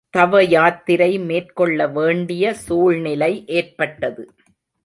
தவயாத்திரை மேற்கொள்ளவேண்டிய சூழ்நிலை ஏற்பட்டது.